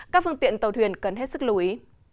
các phương tiện tàu thuyền cần hết sức lưu ý